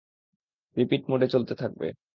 Repeat মোডে চলতে থাকবে।